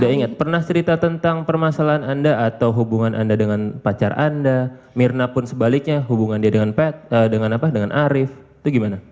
gak ingat pernah cerita tentang permasalahan anda atau hubungan anda dengan pacar anda mirna pun sebaliknya hubungan dia dengan arief itu gimana